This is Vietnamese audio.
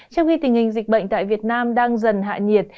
trong khi tình hình dịch bệnh tại việt nam đang dần hạ nhiệt